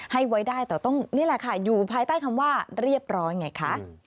ให้ไว้ได้แต่ต้องนี่แหละค่ะอยู่ภายใต้คำว่าเรียบร้อยไงคะ